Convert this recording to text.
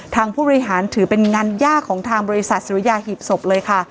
ผู้บริหารถือเป็นงานยากของทางบริษัทสุริยาหีบศพเลยค่ะ